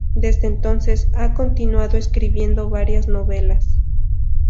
Desde entonces ha continuado escribiendo varias novelas.